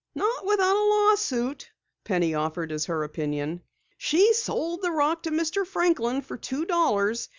"Not without a lawsuit," Penny offered as her opinion. "She sold the rock to Mr. Franklin for two dollars.